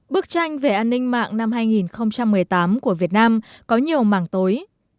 bức tranh về an ninh mạng năm hai nghìn một mươi tám của việt nam có nhiều mảng tối